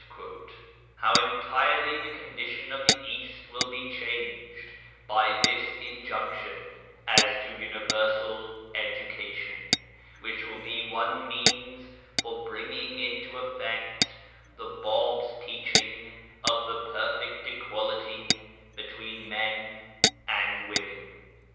How entirely the condition of the East will be changed by this injunction as to universal edu cation, which will be one means for bringing into effect the Bab's teaching of the perfect equality between men and women.